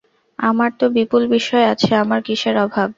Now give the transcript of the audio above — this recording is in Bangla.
আমার তো বিপুল বিষয় আছে, আমার কিসের অভাব।